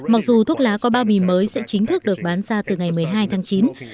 mặc dù thuốc lá có bao bì mới sẽ chính thức được bán ra từ ngày một mươi hai tháng chín